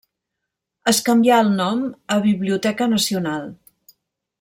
Es canvià el nom a Biblioteca Nacional.